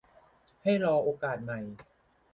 ให้รอโอกาสใหม่